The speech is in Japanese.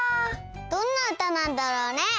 どんなうたなんだろうね？